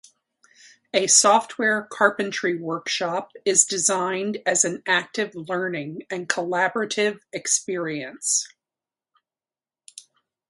A Software Carpentry workshop is designed as an active learning and collaborative experience.